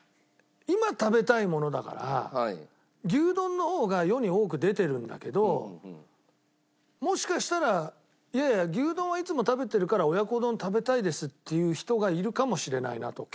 牛丼の方が世に多く出てるんだけどもしかしたらいやいや牛丼はいつも食べてるから親子丼食べたいですっていう人がいるかもしれないなと結構。